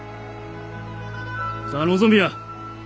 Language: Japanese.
さあ望みや！